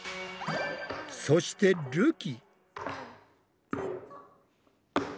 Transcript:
そしてるき。